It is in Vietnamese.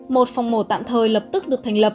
một phòng mổ tạm thời lập tức được thành lập